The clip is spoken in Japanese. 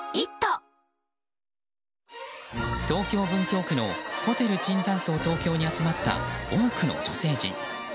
東京・文京区のホテル椿山荘東京に集まった多くの女性陣。